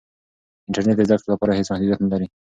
انټرنیټ د زده کړې لپاره هېڅ محدودیت نه لري.